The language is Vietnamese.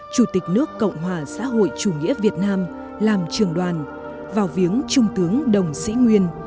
chủ tịch nước cộng hòa xã hội chủ nghĩa việt nam làm trường đoàn vào viếng trung tướng đồng sĩ nguyên